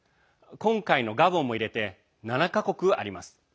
今回のガボンも入れて７か国あります。